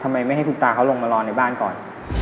ไม่ให้คุณตาเขาลงมารอในบ้านก่อน